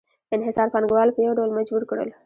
انحصار پانګوال په یو ډول مجبور کړل